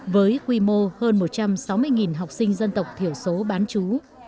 với quy mô hơn một trăm sáu mươi học sinh dân tộc thiểu số bán chú